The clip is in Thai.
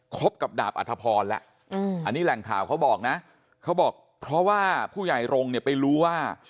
กับดาบอัธพรแล้วอันนี้แหล่งข่าวเขาบอกนะเขาบอกเพราะว่าผู้ใหญ่รงค์เนี่ยไปรู้ว่า